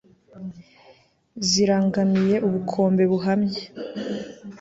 zirangamiye ubukombe buhamye